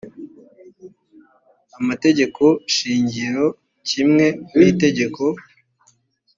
amategeko shingiro kimwe n’itegeko